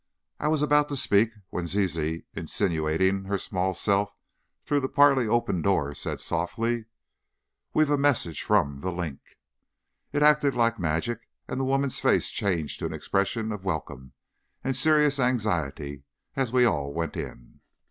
I was about to speak, when Zizi, insinuating her small self through the partly opened door, said softly: "We've a message from 'The Link.'" It acted like magic, and the woman's face changed to an expression of welcome and serious anxiety, as we all went in.